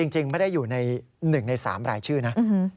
จริงไม่ได้อยู่ใน๑ใน๓รายชื่อนะ